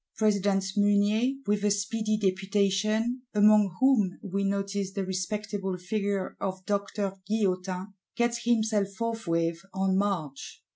President Mounier, with a speedy Deputation, among whom we notice the respectable figure of Doctor Guillotin, gets himself forthwith on march.